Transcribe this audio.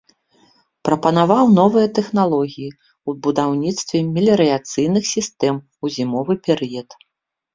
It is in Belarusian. Прапанаваў новыя тэхналогіі ў будаўніцтве меліярацыйных сістэм у зімовы перыяд.